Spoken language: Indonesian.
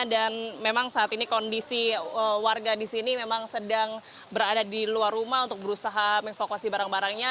dan memang saat ini kondisi warga di sini memang sedang berada di luar rumah untuk berusaha evakuasi barang barangnya